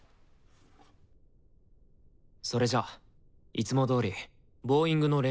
それじゃいつもどおりボーイングの練習から。